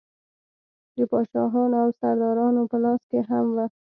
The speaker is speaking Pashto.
د پاچاهانو او سردارانو په لاس کې هم وه.